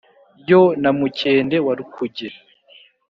yo na mukende wa rukuge